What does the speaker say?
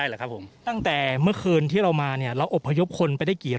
และให้พวกเด็กเนี่ย